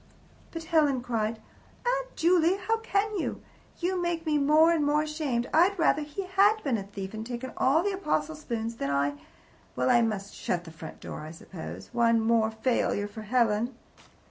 But Helen cried: "Aunt Juley, how can you! You make me more and more ashamed. I'd rather he HAD been a thief and taken all the apostle spoons than that I Well, I must shut the front door, I suppose. One more failure for Helen."